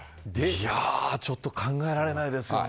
ちょっと考えられないですよね。